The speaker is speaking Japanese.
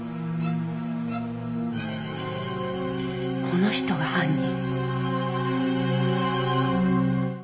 この人が犯人。